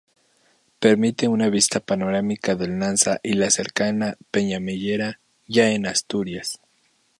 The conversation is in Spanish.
Permite una vista panorámica del Nansa y la cercana Peñamellera, ya en Asturias.